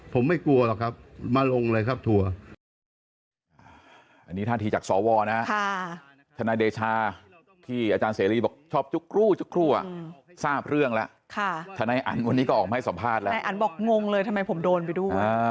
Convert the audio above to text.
ผมไม่กลัวหรอกครับมาลงเลยครับทัวร์